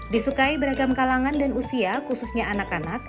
disukai beragam kalangan dan usia khususnya anak anak